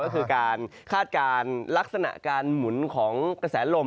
ก็คือการคาดการณ์ลักษณะการหมุนของกระแสลม